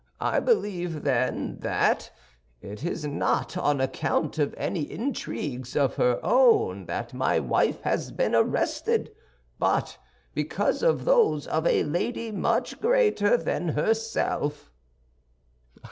I believe, then, that it is not on account of any intrigues of her own that my wife has been arrested, but because of those of a lady much greater than herself."